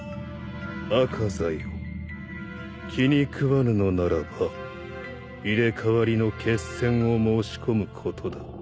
猗窩座よ気に食わぬのならば入れ替わりの血戦を申し込むことだ。